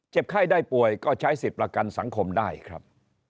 ไข้ได้ป่วยก็ใช้สิทธิ์ประกันสังคมได้ครับ